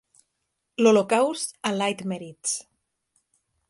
L'Holocaust a Leitmeritz.